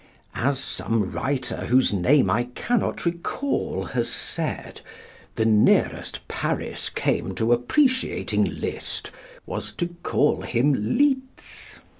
(As some writer, whose name I cannot recall, has said, "the nearest Paris came to appreciating Liszt was to call him 'Litz.'")